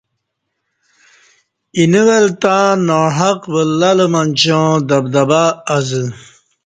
اینہ ول تہ ناحق ولہ لہ منچاں دبدبہ ازہ